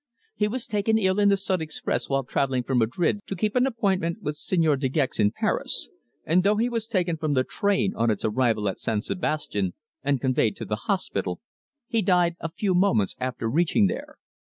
He was taken ill in the Sud Express while travelling from Madrid to keep an appointment with Señor De Gex in Paris, and though he was taken from the train on its arrival at San Sebastian and conveyed to the hospital, he died a few moments after reaching there.